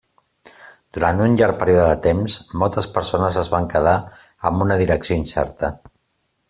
Durant un llarg període de temps, moltes persones es van quedar amb una direcció incerta.